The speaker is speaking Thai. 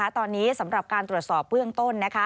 ตอนนี้สำหรับการตรวจสอบเบื้องต้น